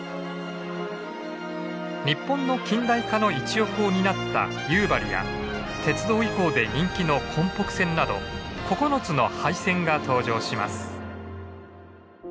日本の近代化の一翼を担った夕張や鉄道遺構で人気の根北線など９つの廃線が登場します。